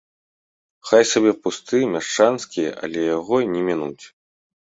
Хай сабе пусты, мяшчанскі, але яго не мінуць.